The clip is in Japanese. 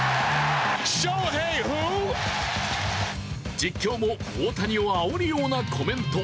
実況も大谷をあおるようなコメント。